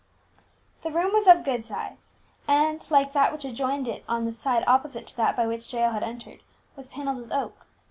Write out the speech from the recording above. The room was of good size, and, like that which it adjoined on the side opposite to that by which Jael had entered, was panelled with oak.